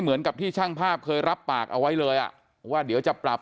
เหมือนกับที่ช่างภาพเคยรับปากเอาไว้เลยอ่ะว่าเดี๋ยวจะปรับ